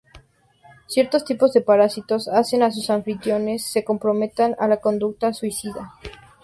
Ciertos tipos de parásitos hacen que sus anfitriones se comprometan a la conducta suicida.